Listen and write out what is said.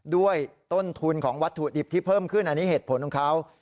ด้วยต้นทุนของวัตถุดิบที่เพิ่มขึ้นอันนี้เหตุผลของเขา